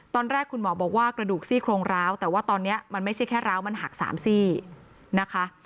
ตอนแรกคุณหมอบอกว่ากระดูกซี่โครงร้าวแต่ว่าตอนนี้มันไม่ใช่แค่ร้าวมันหัก๓ซี่นะคะ